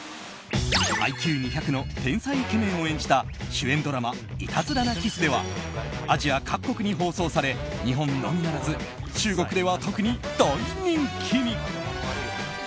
ＩＱ２００の天才イケメンを演じだ主演ドラマ「イタズラなＫｉｓｓ」ではアジア各国に放送され日本のみならず中国では特に大人気に。